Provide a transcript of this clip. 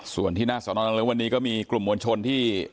ส่วนที่น่าส่วนโอดังเร็ววันนี้ก็มีกลุ่มมัวนชนที่